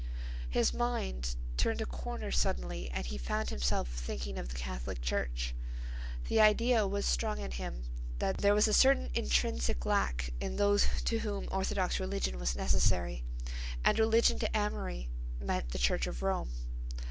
His mind turned a corner suddenly and he found himself thinking of the Catholic Church. The idea was strong in him that there was a certain intrinsic lack in those to whom orthodox religion was necessary, and religion to Amory meant the Church of Rome.